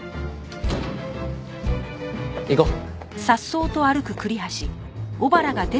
行こう。